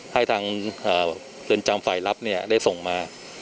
ให้ทางเรือนจำฝ่ายลับได้ส่งมา